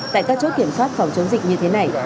tại các chốt kiểm soát phòng chống dịch như thế này